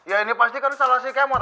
ya ini pasti kan salah si kemut